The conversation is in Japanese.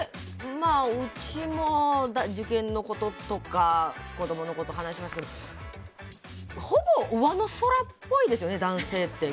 うちも受験のこととか子供のこと話しますけどほぼ上の空っぽいですよね男性って。